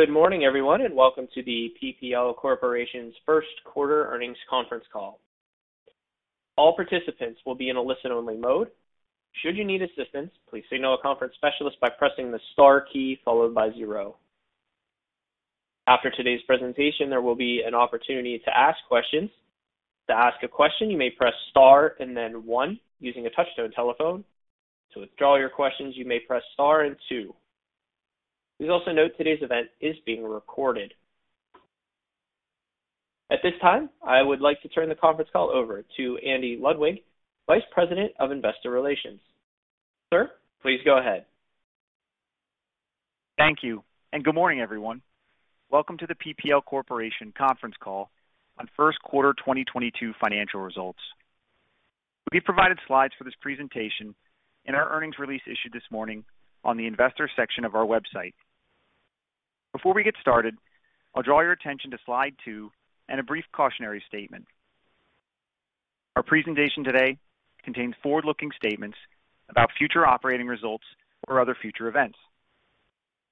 Good morning, everyone, and Welcome to the PPL Corporation's first quarter earnings conference call. All participants will be in a listen-only mode. Should you need assistance, please signal a conference specialist by pressing the star key followed by zero. After today's presentation, there will be an opportunity to ask questions. To ask a question, you may press star and then one using a touch-tone telephone. To withdraw your questions, you may press star and two. Please also note today's event is being recorded. At this time, I would like to turn the conference call over to Andy Ludwig, Vice President of Investor Relations. Sir, please go ahead. Thank you, and good morning, everyone. Welcome to the PPL Corporation conference call on first quarter 2022 financial results. We provided slides for this presentation in our earnings release issued this morning on the investor section of our website. Before we get started, I'll draw your attention to slide two and a brief cautionary statement. Our presentation today contains forward-looking statements about future operating results or other future events.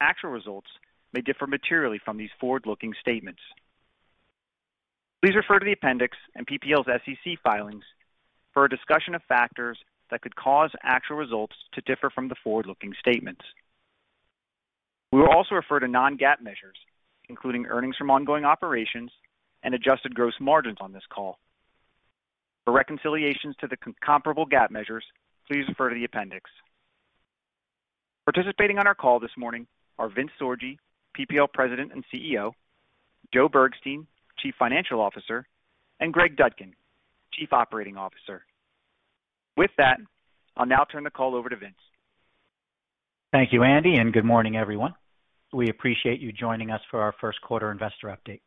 Actual results may differ materially from these forward-looking statements. Please refer to the appendix and PPL's SEC filings for a discussion of factors that could cause actual results to differ from the forward-looking statements. We will also refer to non-GAAP measures, including earnings from ongoing operations and adjusted gross margins on this call. For reconciliations to the comparable GAAP measures, please refer to the appendix. Participating on our call this morning are Vince Sorgi, PPL President and CEO, Joe Bergstein, Chief Financial Officer, and Greg Dudkin, Chief Operating Officer. With that, I'll now turn the call over to Vince. Thank you, Andy, and good morning, everyone. We appreciate you joining us for our first quarter investor update.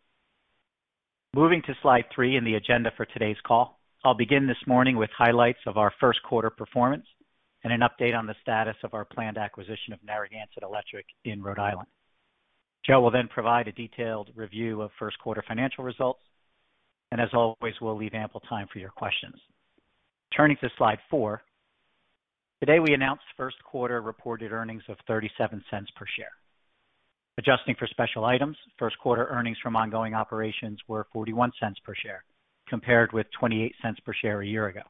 Moving to slide three in the agenda for today's call. I'll begin this morning with highlights of our first quarter performance and an update on the status of our planned acquisition of Narragansett Electric in Rhode Island. Joe will then provide a detailed review of first quarter financial results. As always, we'll leave ample time for your questions. Turning to slide four. Today, we announced first quarter reported earnings of $0.37 per share. Adjusting for special items, first quarter earnings from ongoing operations were $0.41 per share, compared with $0.28 per share a year ago.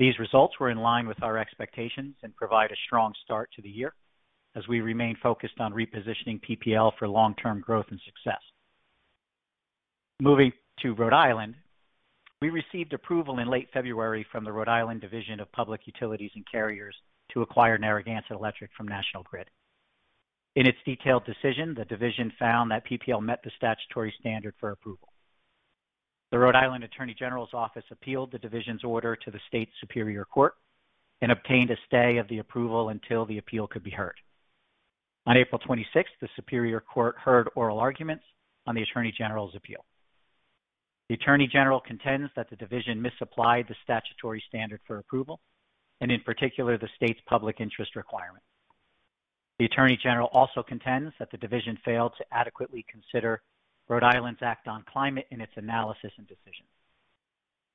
These results were in line with our expectations and provide a strong start to the year as we remain focused on repositioning PPL for long-term growth and success. Moving to Rhode Island. We received approval in late February from the Rhode Island Division of Public Utilities and Carriers to acquire Narragansett Electric from National Grid. In its detailed decision, the division found that PPL met the statutory standard for approval. The Rhode Island Attorney General's office appealed the division's order to the Rhode Island Superior Court and obtained a stay of the approval until the appeal could be heard. On April 26th, 2022 the Superior Court heard oral arguments on the attorney general's appeal. The attorney general contends that the division misapplied the statutory standard for approval and in particular, the state's public interest requirement. The attorney general also contends that the division failed to adequately consider Rhode Island's Act on Climate in its analysis and decision.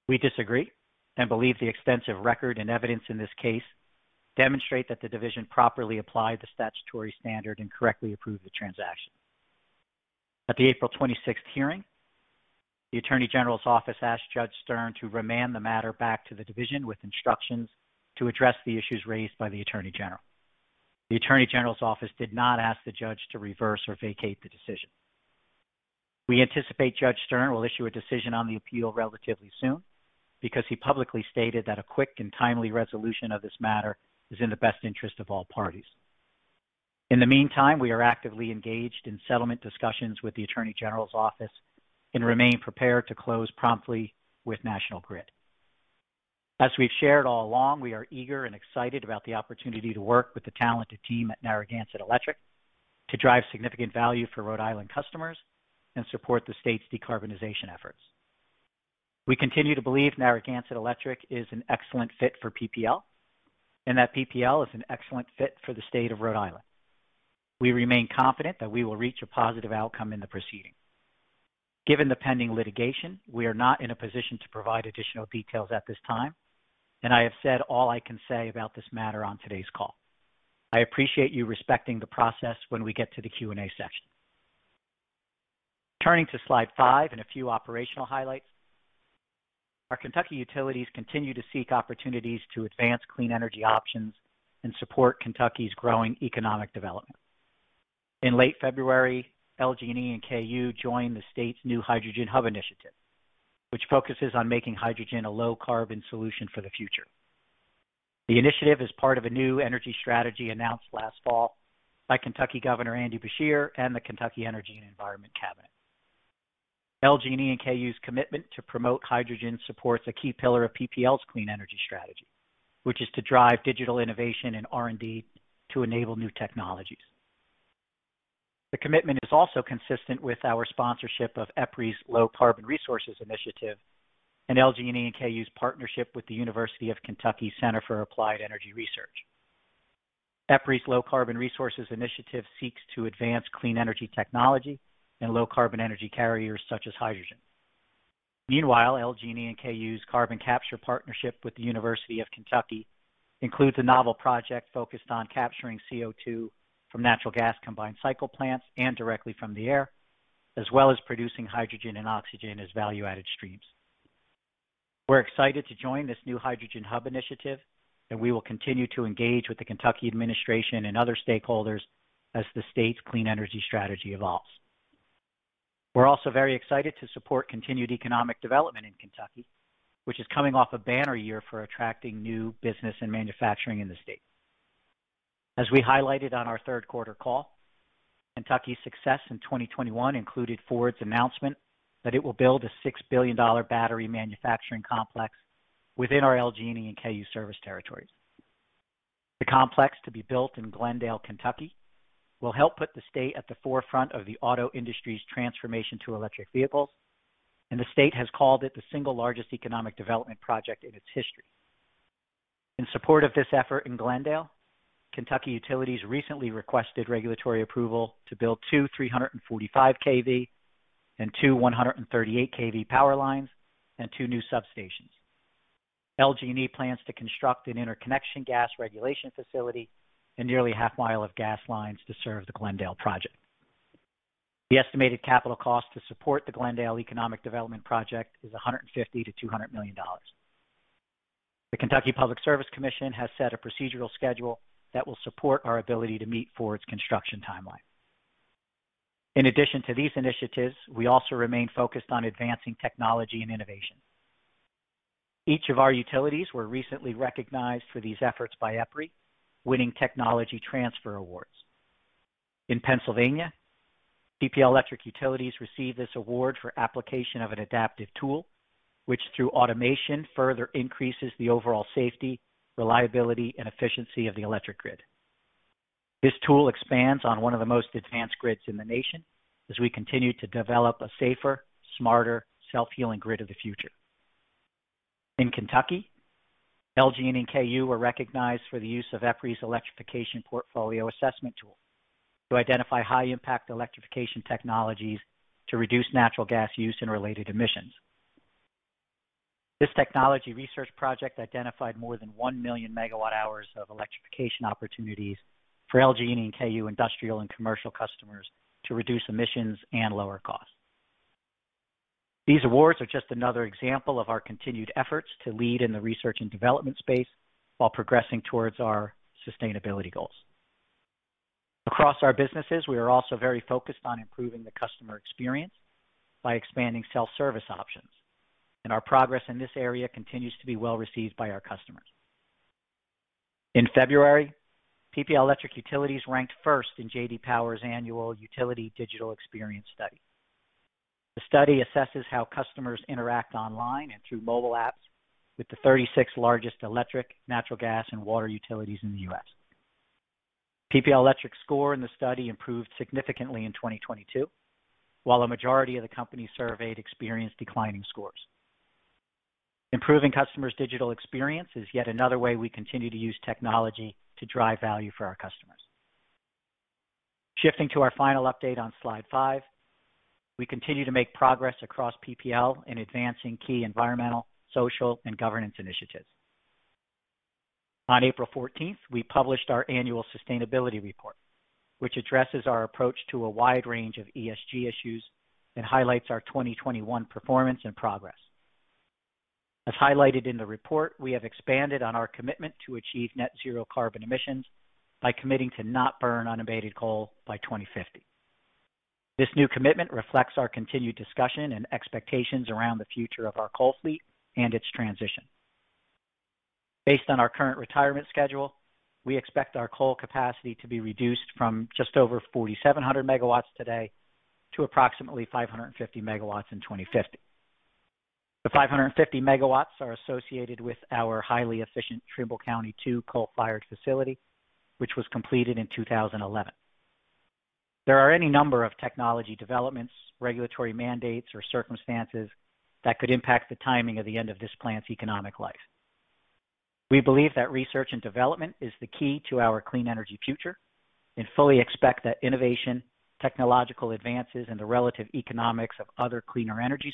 We disagree and believe the extensive record and evidence in this case demonstrate that the division properly applied the statutory standard and correctly approved the transaction. At the April 26th, 2022 Hearing, the attorney general's office asked Judge Stern to remand the matter back to the division with instructions to address the issues raised by the attorney general. The attorney general's office did not ask the judge to reverse or vacate the decision. We anticipate Judge Stern will issue a decision on the appeal relatively soon because he publicly stated that a quick and timely resolution of this matter is in the best interest of all parties. In the meantime, we are actively engaged in settlement discussions with the attorney general's office and remain prepared to close promptly with National Grid. As we've shared all along, we are eager and excited about the opportunity to work with the talented team at Narragansett Electric to drive significant value for Rhode Island customers and support the state's decarbonization efforts. We continue to believe Narragansett Electric is an excellent fit for PPL and that PPL is an excellent fit for the state of Rhode Island. We remain confident that we will reach a positive outcome in the proceeding. Given the pending litigation, we are not in a position to provide additional details at this time, and I have said all I can say about this matter on today's call. I appreciate you respecting the process when we get to the Q&A session. Turning to slide five and a few operational highlights. Our Kentucky utilities continue to seek opportunities to advance clean energy options and support Kentucky's growing economic development. In late February, LG&E and KU joined the state's new Hydrogen Hub initiative, which focuses on making hydrogen a low-carbon solution for the future. The initiative is part of a new energy strategy announced last fall by Kentucky Governor Andy Beshear and the Kentucky Energy and Environment Cabinet. LG&E and KU's commitment to promote hydrogen supports a key pillar of PPL's clean energy strategy, which is to drive digital innovation and R&D to enable new technologies. The commitment is also consistent with our sponsorship of EPRI's Low-Carbon Resources Initiative and LG&E and KU's partnership with the University of Kentucky Center for Applied Energy Research. EPRI's Low-Carbon Resources Initiative seeks to advance clean energy technology and low-carbon energy carriers such as hydrogen. Meanwhile, LG&E and KU's carbon capture partnership with the University of Kentucky includes a novel project focused on capturing CO2 from natural gas combined cycle plants and directly from the air, as well as producing hydrogen and oxygen as value-added streams. We're excited to join this new Hydrogen Hub initiative, and we will continue to engage with the Kentucky administration and other stakeholders as the state's clean energy strategy evolves. We're also very excited to support continued economic development in Kentucky, which is coming off a banner year for attracting new business and manufacturing in the state. As we highlighted on our third quarter call, Kentucky's success in 2021 included Ford's announcement that it will build a $6 billion battery manufacturing complex within our LG&E and KU service territories. The complex to be built in Glendale, Kentucky, will help put the state at the forefront of the auto industry's transformation to electric vehicles, and the state has called it the single largest economic development project in its history. In support of this effort in Glendale, Kentucky Utilities recently requested regulatory approval to build two 345 kV and two 138 kV power lines and two new substations. LG&E plans to construct an interconnection gas regulation facility and nearly half mile of gas lines to serve the Glendale project. The estimated capital cost to support the Glendale economic development project is $150-$200 million. The Kentucky Public Service Commission has set a procedural schedule that will support our ability to meet Ford's construction timeline. In addition to these initiatives, we also remain focused on advancing technology and innovation. Each of our utilities were recently recognized for these efforts by EPRI, winning technology transfer awards. In Pennsylvania, PPL Electric Utilities received this award for application of an adaptive tool, which through automation, further increases the overall safety, reliability, and efficiency of the electric grid. This tool expands on one of the most advanced grids in the nation as we continue to develop a safer, smarter, self-healing grid of the future. In Kentucky, LG&E and KU were recognized for the use of EPRI's electrification portfolio assessment tool to identify high-impact electrification technologies to reduce natural gas use and related emissions. This technology research project identified more than 1 million MWh of electrification opportunities for LG&E and KU industrial and commercial customers to reduce emissions and lower costs. These awards are just another example of our continued efforts to lead in the research and development space while progressing towards our sustainability goals. Across our businesses, we are also very focused on improving the customer experience by expanding self-service options, and our progress in this area continues to be well received by our customers. In February, PPL Electric Utilities ranked first in J.D. Power's annual U.S. Utility Digital Experience Study. The study assesses how customers interact online and through mobile apps with the 36 largest electric, natural gas, and water utilities in the U.S. PPL Electric's score in the study improved significantly in 2022, while a majority of the companies surveyed experienced declining scores. Improving customers' digital experience is yet another way we continue to use technology to drive value for our customers. Shifting to our final update on slide 5, we continue to make progress across PPL in advancing key environmental, social, and governance initiatives. On April 14th, 2022, we published our annual sustainability report, which addresses our approach to a wide range of ESG issues and highlights our 2021 performance and progress. As highlighted in the report, we have expanded on our commitment to achieve net zero carbon emissions by committing to not burn unabated coal by 2050. This new commitment reflects our continued discussion and expectations around the future of our coal fleet and its transition. Based on our current retirement schedule, we expect our coal capacity to be reduced from just over 4,700 MW today to approximately 550 MW in 2050. The 550 MW are associated with our highly efficient Trimble County 2 coal-fired facility, which was completed in 2011. There are any number of technology developments, regulatory mandates, or circumstances that could impact the timing of the end of this plant's economic life. We believe that research and development is the key to our clean energy future and fully expect that innovation, technological advances, and the relative economics of other cleaner energy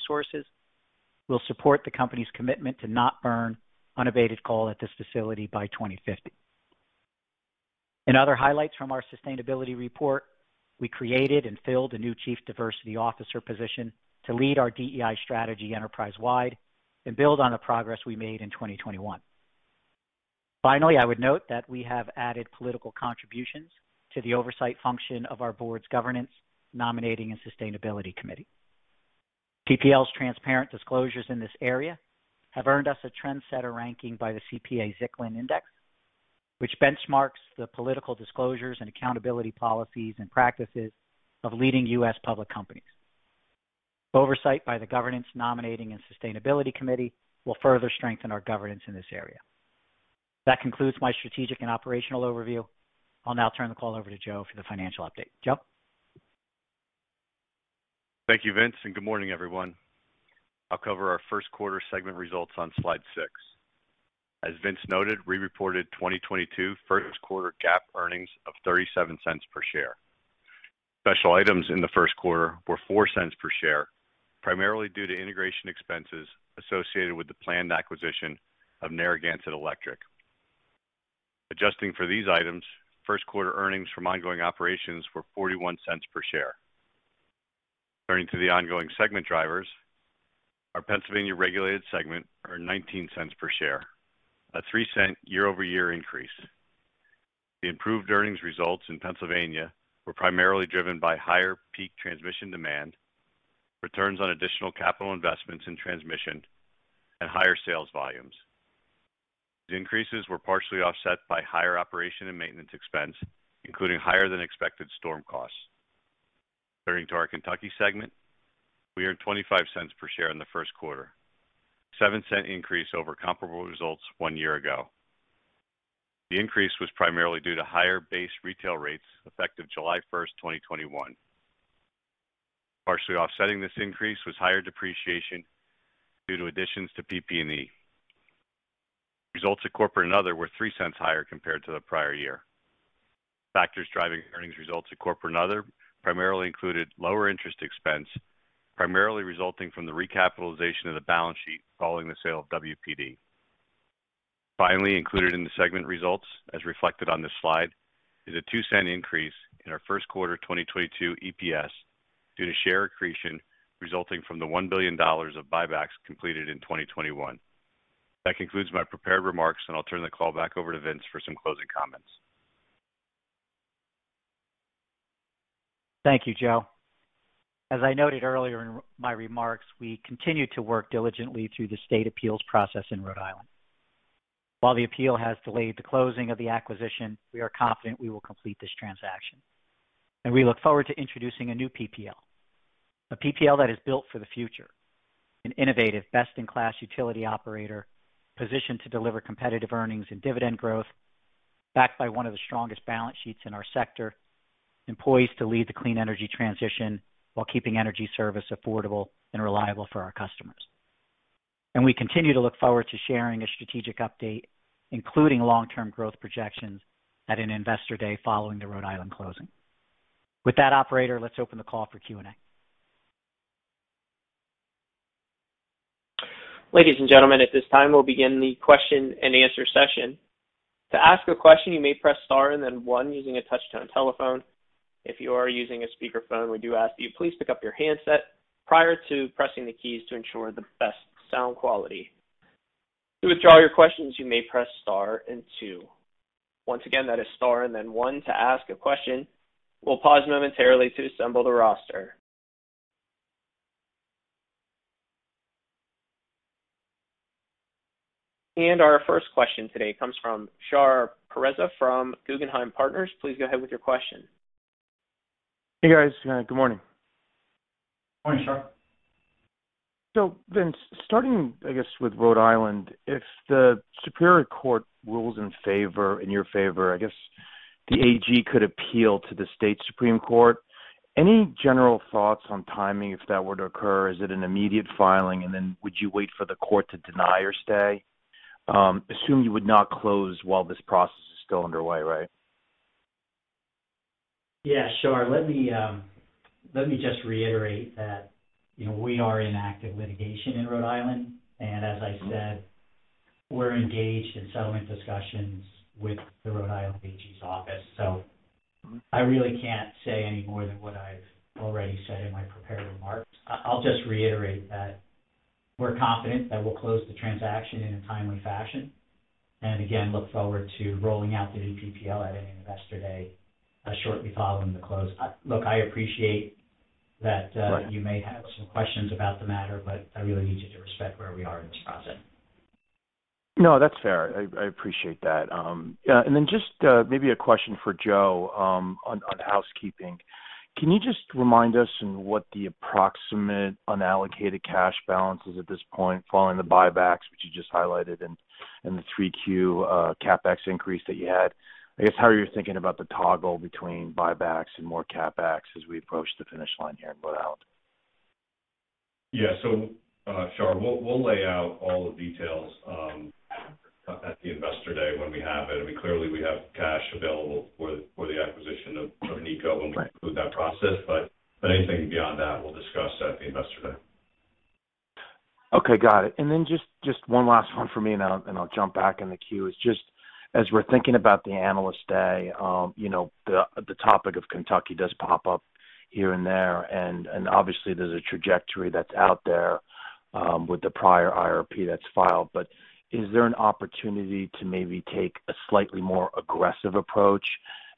sources will support the company's commitment to not burn unabated coal at this facility by 2050. In other highlights from our sustainability report, we created and filled a new chief diversity officer position to lead our DEI strategy enterprise-wide and build on the progress we made in 2021. Finally, I would note that we have added political contributions to the oversight function of our board's governance nominating and sustainability committee. PPL's transparent disclosures in this area have earned us a trendsetter ranking by the CPA-Zicklin Index, which benchmarks the political disclosures and accountability policies and practices of leading U.S. public companies. Oversight by the governance nominating and sustainability committee will further strengthen our governance in this area. That concludes my strategic and operational overview. I'll now turn the call over to Joe for the financial update. Joe? Thank you, Vince, and good morning, everyone. I'll cover our first quarter segment results on slide six. As Vince noted, we reported 2022 first quarter GAAP earnings of $0.37 per share. Special items in the first quarter were $0.04 per share, primarily due to integration expenses associated with the planned acquisition of Narragansett Electric. Adjusting for these items, first quarter earnings from ongoing operations were $0.41 per share. Turning to the ongoing segment drivers, our Pennsylvania regulated segment earned $0.19 per share, a $0.03 year-over-year increase. The improved earnings results in Pennsylvania were primarily driven by higher peak transmission demand, returns on additional capital investments in transmission, and higher sales volumes. The increases were partially offset by higher operations and maintenance expense, including higher than expected storm costs. Turning to our Kentucky segment, we earned $0.25 per share in the first quarter, a $0.07 increase over comparable results one year ago. The increase was primarily due to higher base retail rates effective July 1st, 2021. Partially offsetting this increase was higher depreciation due to additions to PP&E. Results at corporate and other were $0.03 higher compared to the prior year. Factors driving earnings results at corporate and other primarily included lower interest expense, primarily resulting from the recapitalization of the balance sheet following the sale of WPD. Finally included in the segment results, as reflected on this slide, is a $0.02 increase in our first quarter 2022 EPS due to share accretion resulting from the $1 billion of buybacks completed in 2021. That concludes my prepared remarks, and I'll turn the call back over to Vince for some closing comments. Thank you, Joe. As I noted earlier in my remarks, we continue to work diligently through the state appeals process in Rhode Island. While the appeal has delayed the closing of the acquisition, we are confident we will complete this transaction, and we look forward to introducing a new PPL. A PPL that is built for the future, an innovative best-in-class utility operator positioned to deliver competitive earnings and dividend growth, backed by one of the strongest balance sheets in our sector, and poised to lead the clean energy transition while keeping energy service affordable and reliable for our customers. We continue to look forward to sharing a strategic update, including long-term growth projections at an Investor Day following the Rhode Island closing. With that, operator, let's open the call for Q&A. Ladies and gentlemen, at this time, we'll begin the question-and-answer session. To ask a question, you may press star and then one using a touch-tone telephone. If you are using a speakerphone, we do ask that you please pick up your handset prior to pressing the keys to ensure the best sound quality. To withdraw your questions, you may press star and two. Once again, that is star and then one to ask a question. We'll pause momentarily to assemble the roster. Our first question today comes from Shar Pourreza from Guggenheim Partners. Please go ahead with your question. Hey, guys. Good morning. Morning, Shar. Vince, starting, I guess, with Rhode Island, if the Superior Court rules in your favor, I guess the AG could appeal to the state Supreme Court. Any general thoughts on timing if that were to occur? Is it an immediate filing, and then would you wait for the Court to deny or stay? Assume you would not close while this process is still underway, right? Shar, let me just reiterate that, you know, we are in active litigation in Rhode Island, and as I said, we're engaged in settlement discussions with the Rhode Island AG's office. So I really can't say any more than what I've already said in my prepared remarks. I'll just reiterate that we're confident that we'll close the transaction in a timely fashion. Again, look forward to rolling out the new PPL at an Investor Day shortly following the close. Look, I appreciate that you may have some questions about the matter, but I really need you to respect where we are in this process. No, that's fair. I appreciate that. Yeah, just maybe a question for Joe, on housekeeping. Can you just remind us in what the approximate unallocated cash balance is at this point following the buybacks, which you just highlighted in the 3Q CapEx increase that you had? I guess how you're thinking about the toggle between buybacks and more CapEx as we approach the finish line here in Rhode Island. Yeah. Shar, we'll lay out all the details at the Investor Day when we have it. I mean, clearly, we have cash available for the acquisition of NECO when we conclude that process. Anything beyond that, we'll discuss at the Investor Day. Okay, got it. Just one last one for me, and I'll jump back in the queue. It's just as we're thinking about the Analyst Day, you know, the topic of Kentucky does pop up here and there. Obviously there's a trajectory that's out there with the prior IRP that's filed. Is there an opportunity to maybe take a slightly more aggressive approach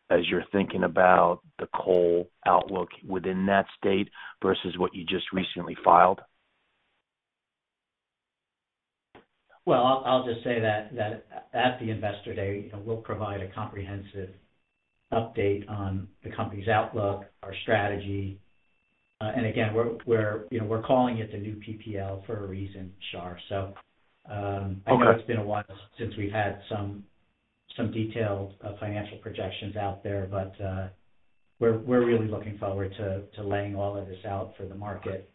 as you're thinking about the coal outlook within that state versus what you just recently filed? Well, I'll just say that at the Investor Day, you know, we'll provide a comprehensive update on the company's outlook, our strategy. Again, you know, we're calling it the new PPL for a reason, Shar. I know it's been a while since we've had some detailed financial projections out there, but we're really looking forward to laying all of this out for the market.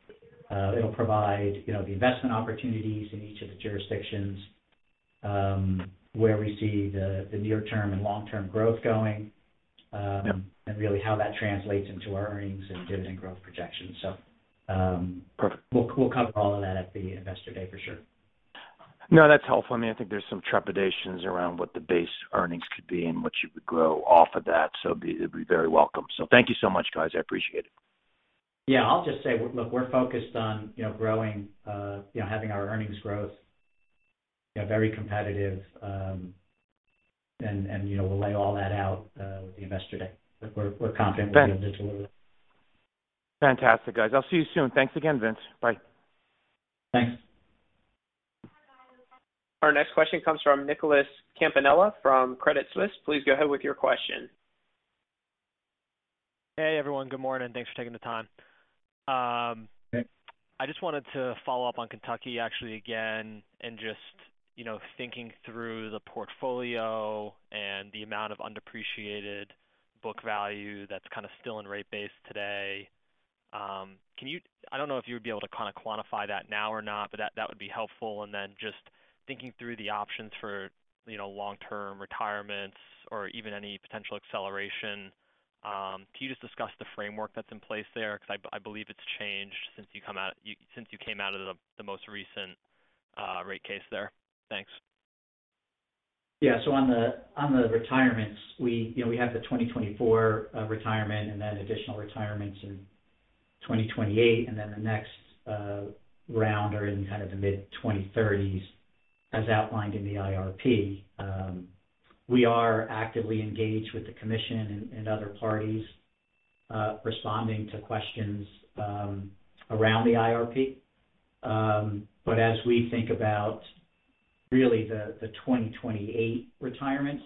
It'll provide you know, the investment opportunities in each of the jurisdictions where we see the near-term and long-term growth going. Yeah Really how that translates into our earnings and dividend growth projections. Perfect. We'll cover all of that at the Investor Day for sure. No, that's helpful. I mean, I think there's some trepidations around what the base earnings could be and what you would grow off of that. So it'd be very welcome. So thank you so much, guys. I appreciate it. Yeah. I'll just say, look, we're focused on, you know, growing, you know, having our earnings growth, you know, very competitive. And, you know, we'll lay all that out with the Investor Day. Look, we're confident we'll be able to. Fantastic, guys. I'll see you soon. Thanks again, Vince. Bye. Thanks. Our next question comes from Nicholas Campanella from Credit Suisse. Please go ahead with your question. Hey, everyone. Good morning. Thanks for taking the time. Thanks. I just wanted to follow up on Kentucky actually again and just, you know, thinking through the portfolio and the amount of undepreciated book value that's kind of still in rate base today. Can you, I don't know if you would be able to kind of quantify that now or not, but that would be helpful. Just thinking through the options for, you know, long-term retirements or even any potential acceleration, can you just discuss the framework that's in place there? Cause I believe it's changed since you came out of the most recent rate case there. Thanks. On the retirements, you know, we have the 2024 retirement and then additional retirements in 2028, and then the next round are in kind of the mid-2030s as outlined in the IRP. We are actively engaged with the commission and other parties responding to questions around the IRP. As we think about really the 2028 retirements,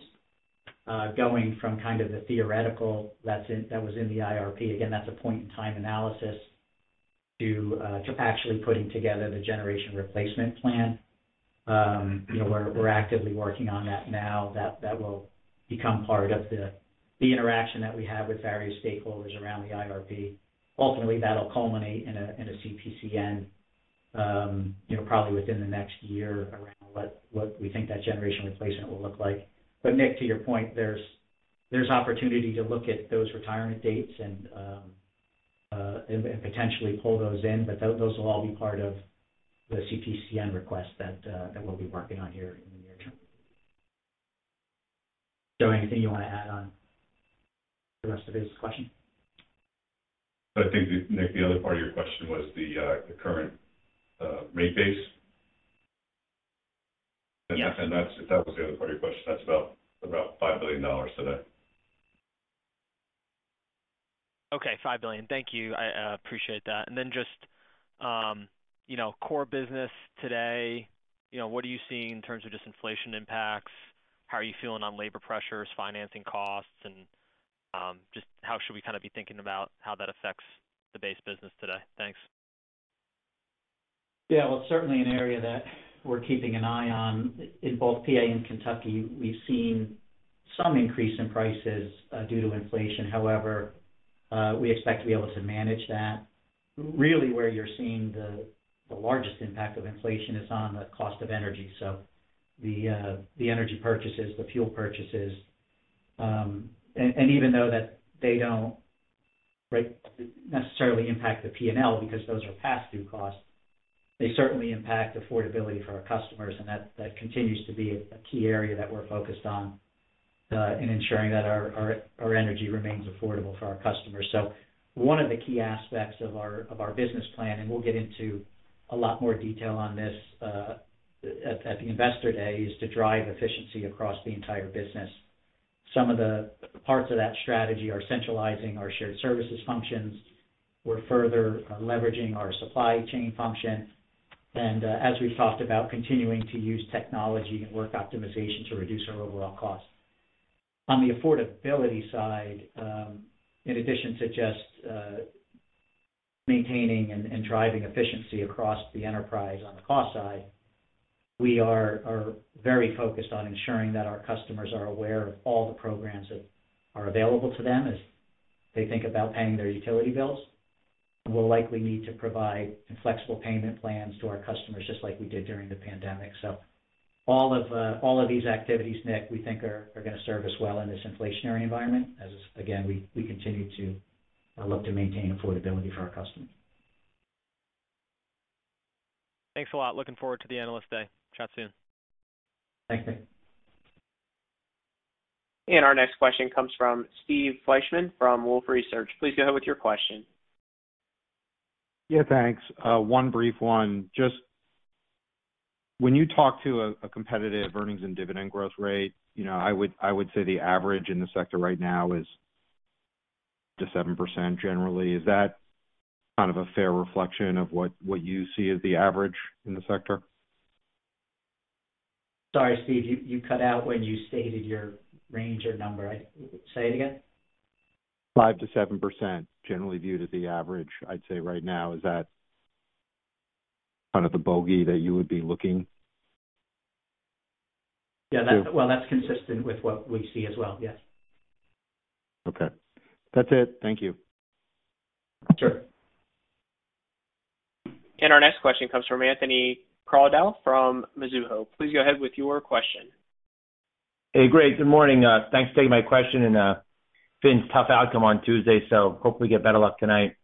going from kind of the theoretical that was in the IRP, again, that's a point in time analysis, to actually putting together the generation replacement plan. You know, we're actively working on that now. That will become part of the interaction that we have with various stakeholders around the IRP. Ultimately, that'll culminate in a CPCN, probably within the next year around what we think that generation replacement will look like. Nick, to your point, there's opportunity to look at those retirement dates and potentially pull those in. Those will all be part of the CPCN request that we'll be working on here in the near term. Joe, anything you want to add on the rest of his question? I think Nick, the other part of your question was the current rate base. Yes. That's if that was the other part of your question, that's about $5 billion today. Okay, $5 billion. Thank you. I appreciate that. Just, you know, core business today, you know, what are you seeing in terms of just inflation impacts? How are you feeling on labor pressures, financing costs, and just how should we kind of be thinking about how that affects the base business today? Thanks. Yeah. Well, it's certainly an area that we're keeping an eye on. In both PA and Kentucky, we've seen some increase in prices due to inflation. However, we expect to be able to manage that. Really where you're seeing the largest impact of inflation is on the cost of energy, so the energy purchases, the fuel purchases. And even though that they don't, right, necessarily impact the P&L because those are pass-through costs, they certainly impact affordability for our customers, and that continues to be a key area that we're focused on in ensuring that our energy remains affordable for our customers. One of the key aspects of our business plan, and we'll get into a lot more detail on this at the Investor Day, is to drive efficiency across the entire business. Some of the parts of that strategy are centralizing our shared services functions. We're further leveraging our supply chain function, and as we've talked about, continuing to use technology and work optimization to reduce our overall costs. On the affordability side, in addition to just maintaining and driving efficiency across the enterprise on the cost side, we are very focused on ensuring that our customers are aware of all the programs that are available to them as they think about paying their utility bills. We'll likely need to provide flexible payment plans to our customers, just like we did during the pandemic. All of these activities, Nick, we think are going to serve us well in this inflationary environment as, again, we continue to look to maintain affordability for our customers. Thanks a lot. Looking forward to the Analyst Day. Chat soon. Thanks, Nick. Our next question comes from Steve Fleishman from Wolfe Research. Please go ahead with your question. Yeah, thanks. One brief one. Just when you talk to a competitive earnings and dividend growth rate, you know, I would say the average in the sector right now is 5%-7% generally. Is that kind of a fair reflection of what you see as the average in the sector? Sorry, Steve, you cut out when you stated your range or number. Say it again. 5%-7% generally viewed as the average, I'd say right now. Is that kind of the bogey that you would be looking to? Yeah. Well, that's consistent with what we see as well. Yes. Okay. That's it. Thank you. Sure. Our next question comes from Anthony Crowdell from Mizuho. Please go ahead with your question. Hey, great. Good morning. Thanks for taking my question, and it's been a tough outcome on Tuesday, so hopefully get better luck tonight.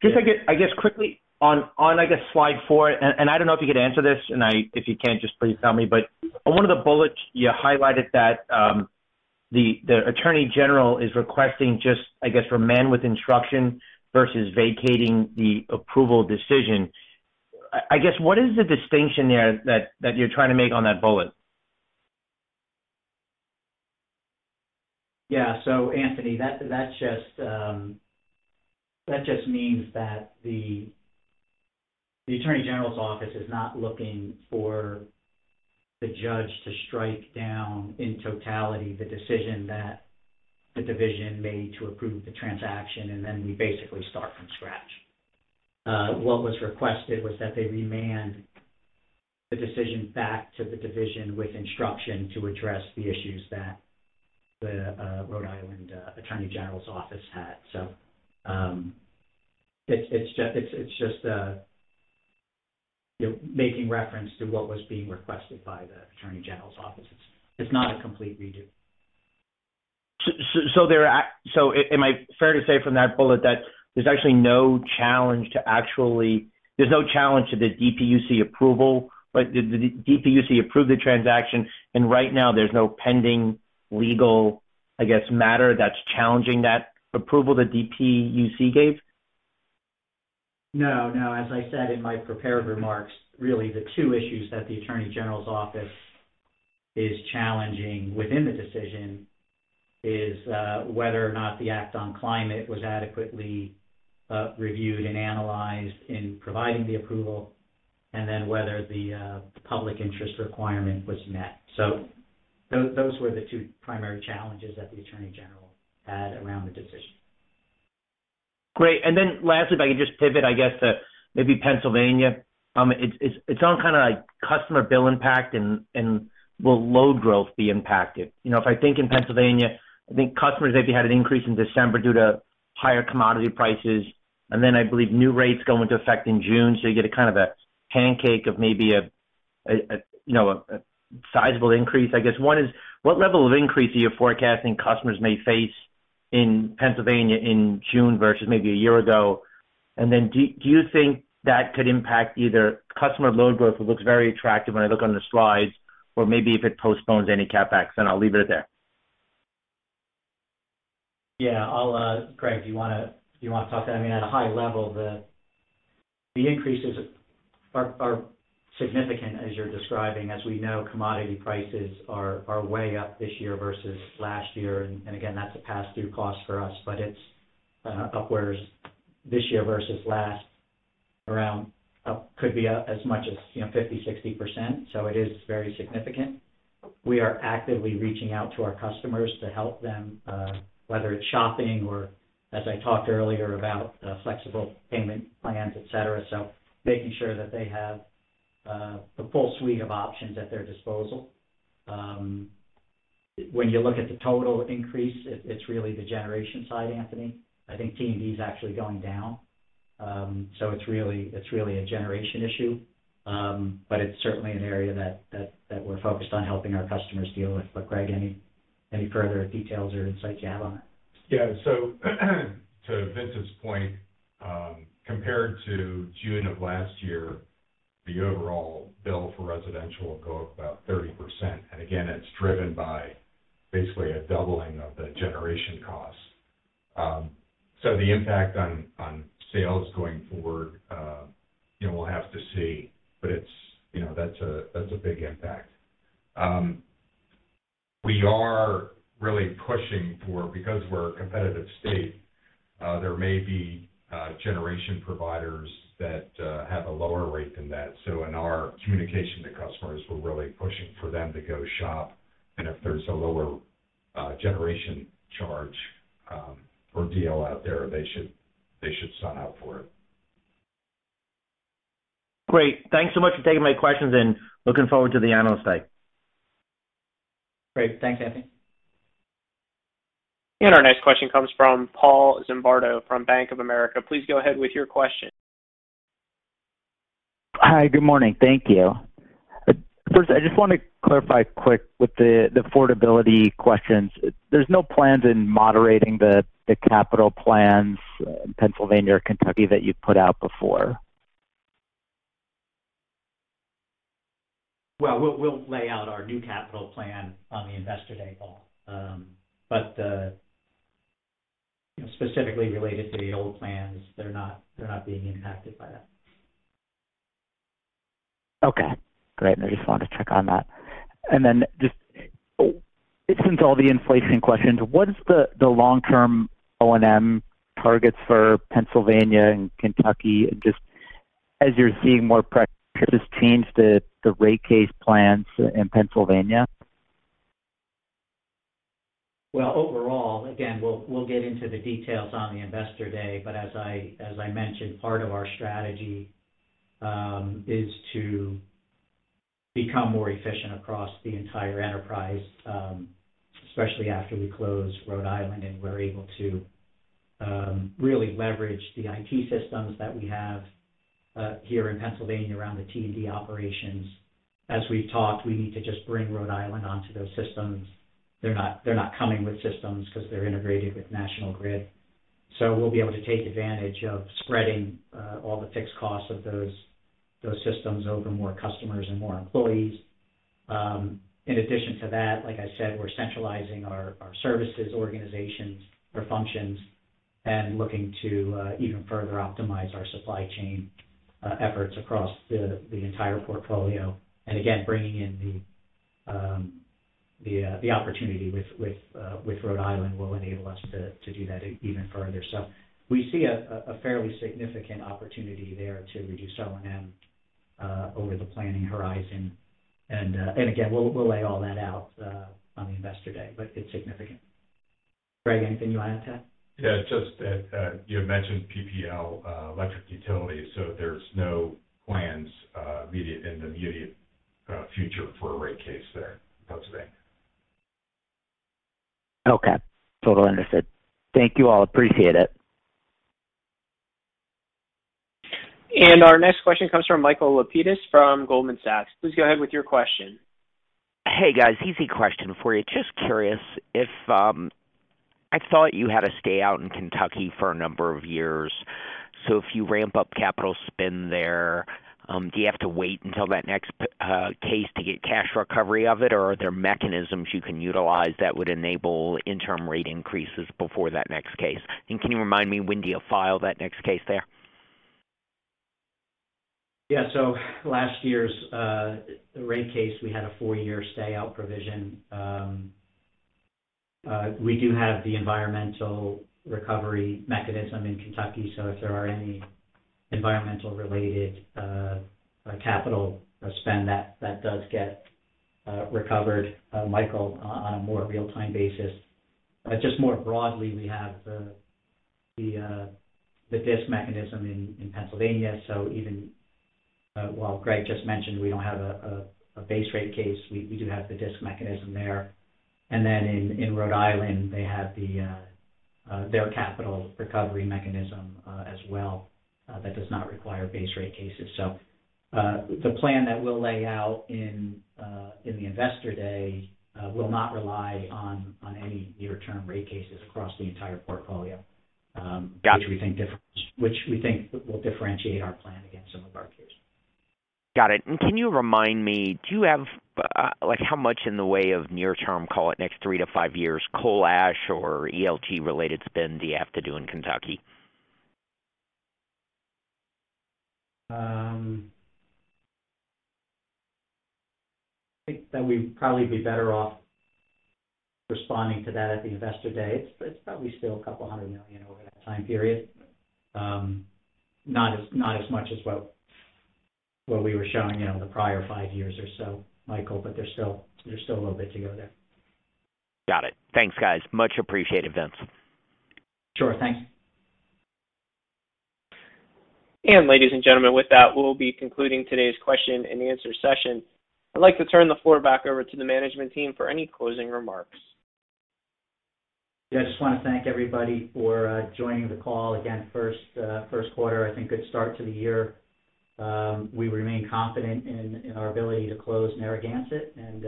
Just, I guess, quickly on, I guess, slide four, and I don't know if you could answer this. If you can't, just please tell me. On one of the bullets, you highlighted that the Attorney General is requesting just, I guess, for remand with instruction versus vacating the approval decision. I guess, what is the distinction there that you're trying to make on that bullet? Yeah. Anthony, that just means that the Attorney General's office is not looking for the judge to strike down in totality the decision that the division made to approve the transaction, and then we basically start from scratch. What was requested was that they remand the decision back to the division with instruction to address the issues that the Rhode Island Attorney General's office had. It's just, you know, making reference to what was being requested by the Attorney General's office. It's not a complete redo. Am I fair to say from that bullet that there's actually no challenge to the DPUC approval? Like, the DPUC approved the transaction, and right now there's no pending legal, I guess, matter that's challenging that approval the DPUC gave. No, no. As I said in my prepared remarks, really the two issues that the Attorney General's office is challenging within the decision is whether or not the Act on Climate was adequately reviewed and analyzed in providing the approval, and then whether the public interest requirement was met. Those were the two primary challenges that the attorney general had around the decision. Great. Lastly, if I could just pivot, I guess, to maybe Pennsylvania. It's its own kind of like customer bill impact and will load growth be impacted? You know, if I think in Pennsylvania, I think customers maybe had an increase in December due to higher commodity prices. I believe new rates go into effect in June. You get a kind of a pancake of maybe a sizable increase. I guess one is, what level of increase are you forecasting customers may face in Pennsylvania in June versus maybe a year ago? Do you think that could impact either customer load growth? It looks very attractive when I look on the slides or maybe if it postpones any CapEx, and I'll leave it there. Yeah, I'll Greg, do you want to talk to that? I mean, at a high level, the increases are significant as you're describing. As we know, commodity prices are way up this year versus last year. Again, that's a pass-through cost for us. It's upwards this year versus last could be up as much as, you know, 50%-60%. It is very significant. We are actively reaching out to our customers to help them whether it's shopping or as I talked earlier about flexible payment plans, et cetera. Making sure that they have the full suite of options at their disposal. When you look at the total increase, it's really the generation side, Anthony. I think T&D is actually going down. It's really a generation issue. It's certainly an area that we're focused on helping our customers deal with. Greg, any further details or insights you have on it? Yeah. To Vincent's point, compared to June of last year, the overall bill for residential will go up about 30%. Again, it's driven by basically a doubling of the generation costs. The impact on sales going forward, you know, we'll have to see. It's, you know, that's a big impact. We are really pushing for, because we're a competitive state, there may be generation providers that have a lower rate than that. In our communication to customers, we're really pushing for them to go shop. If there's a lower generation charge or deal out there, they should sign up for it. Great. Thanks so much for taking my questions and looking forward to the Analyst Day. Great. Thanks, Anthony. Our next question comes from Paul Zimbardo from Bank of America. Please go ahead with your question. Hi. Good morning. Thank you. First, I just want to clarify quickly with the affordability questions. There's no plans for moderating the capital plans in Pennsylvania or Kentucky that you've put out before. Well, we'll lay out our new capital plan on the Investor Day, Paul. You know, specifically related to the old plans, they're not being impacted by that. Okay, great. I just wanted to check on that. Just since all the inflation questions, what is the long-term O&M targets for Pennsylvania and Kentucky? Just as you're seeing more pressures, change the rate case plans in Pennsylvania? Well, overall, again, we'll get into the details on the Investor Day. As I mentioned, part of our strategy is to become more efficient across the entire enterprise, especially after we close Rhode Island and we're able to really leverage the IT systems that we have here in Pennsylvania around the T&D operations. As we've talked, we need to just bring Rhode Island onto those systems. They're not coming with systems because they're integrated with National Grid. We'll be able to take advantage of spreading all the fixed costs of those systems over more customers and more employees. In addition to that, like I said, we're centralizing our services organizations or functions and looking to even further optimize our supply chain efforts across the entire portfolio. Again, bringing in the opportunity with Rhode Island will enable us to do that even further. We see a fairly significant opportunity there to reduce O&M over the planning horizon. Again, we'll lay all that out on the Investor Day, but it's significant. Greg, anything you want to add to that? Yeah, just that, you had mentioned PPL Electric Utilities, so there's no plans in the immediate future for a rate case there, that's today. Okay. Totally understood. Thank you all. Appreciate it. Our next question comes from Michael Lapides from Goldman Sachs. Please go ahead with your question. Hey, guys. Easy question for you. Just curious if I thought you had a stay out in Kentucky for a number of years. If you ramp up capital spend there, do you have to wait until that next case to get cash recovery of it, or are there mechanisms you can utilize that would enable interim rate increases before that next case? Can you remind me when do you file that next case there? Yeah. Last year's rate case, we had a four-year stay out provision. We do have the environmental recovery mechanism in Kentucky, so if there are any environmental-related capital spend that does get recovered, Michael, on a more real-time basis. Just more broadly, we have the DSIC mechanism in Pennsylvania. Even while Greg just mentioned we don't have a base rate case, we do have the DSIC mechanism there. Then in Rhode Island, they have their capital recovery mechanism as well that does not require base rate cases. The plan that we'll lay out in the Investor Day will not rely on any near-term rate cases across the entire portfolio. Got it. which we think will differentiate our plan against some of our peers. Got it. Can you remind me, do you have like how much in the way of near-term, call it next three to five years, coal ash or ELG-related spend do you have to do in Kentucky? I think that we'd probably be better off responding to that at the Investor Day. It's probably still $200 million over that time period. Not as much as what we were showing, you know, the prior five years or so, Michael, but there's still a little bit to go there. Got it. Thanks, guys. Much appreciated, Vince. Sure. Thanks. Ladies and gentlemen, with that, we'll be concluding today's question-and-answer session. I'd like to turn the floor back over to the management team for any closing remarks. Yeah. I just wanna thank everybody for joining the call. Again, first quarter, I think good start to the year. We remain confident in our ability to close Narragansett, and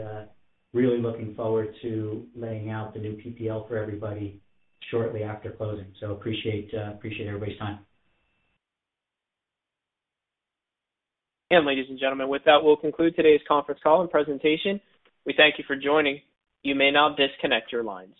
really looking forward to laying out the new PPL for everybody shortly after closing. Appreciate everybody's time. Ladies and gentlemen, with that, we'll conclude today's conference call and presentation. We thank you for joining. You may now disconnect your lines.